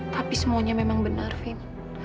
tapi semuanya memang bener win